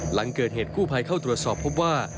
หลังเกิดเหตุกู้ภัยเข้าตรวจสอบพบว่า